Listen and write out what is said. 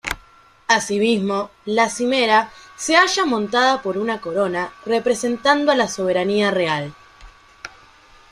Asimismo, la cimera se halla montada por una corona, representando a la soberanía real.